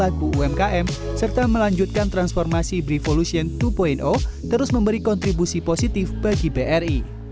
dan melanjutkan transformasi brivolution dua terus memberi kontribusi positif bagi bri